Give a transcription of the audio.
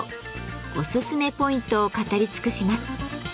おすすめポイントを語り尽くします。